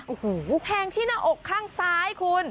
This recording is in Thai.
โอ้โหแทงที่หน้าอกข้างซ้ายคุณ